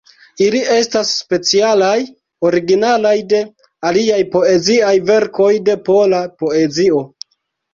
Ili estas specialaj, originalaj de aliaj poeziaj verkoj de pola poezio.